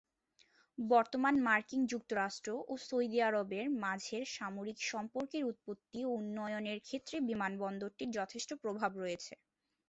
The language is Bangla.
বর্তমান মার্কিন যুক্তরাষ্ট্র ও সৌদি আরবের মাঝের সামরিক সম্পর্কের উৎপত্তি ও উন্নয়নের ক্ষেত্রে বিমানবন্দরটির যথেষ্ট প্রভাব রয়েছে।